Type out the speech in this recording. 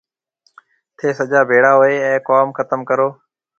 ٿَي سجا ڀيڙا هوئي اَي ڪوم ختم ڪرون۔